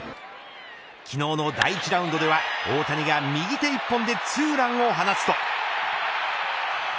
昨日の第１ラウンドでは大谷が右手１本でツーランを放つと。